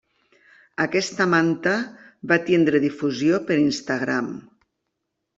Aquesta manta va tindre difusió per Instagram.